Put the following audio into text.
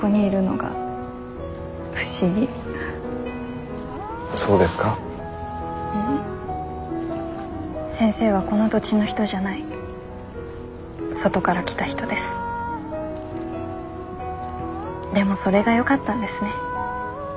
でもそれがよかったんですね。